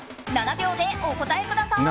７秒でお答えください。